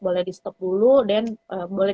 boleh di stop dulu dan boleh